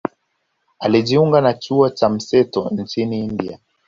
Alijiunga na chuo cha mseto nchini India